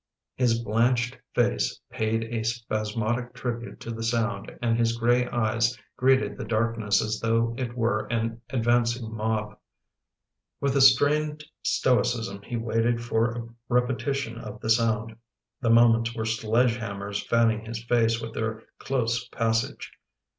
His blanched face paid a spasmodic tribute to the sound and his grey eyes greeted the darkness as though it were an advancing mob. With a strained stoicism he waited for a repetition of the sound. The moments were sledge hammers fanning his face with their close passage.